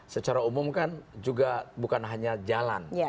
secara umum kan juga bukan hanya jalan